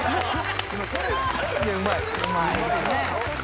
うまい。